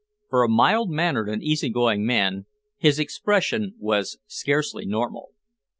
For a mild mannered and easy going man, his expression was scarcely normal.